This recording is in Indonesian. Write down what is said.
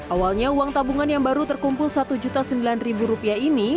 awalnya uang tabungan yang baru terkumpul rp satu sembilan rupiah ini